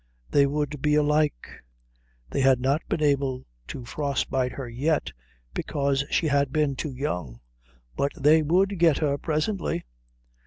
They would be alike. They had not been able to frostbite her yet because she had been too young; but they would get her presently.